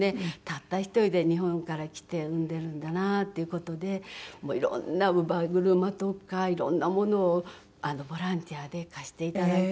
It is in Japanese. たった１人で日本から来て産んでるんだなっていう事で色んな乳母車とか色んなものをボランティアで貸して頂いたりして。